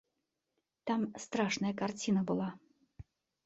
Там страшная карціна была.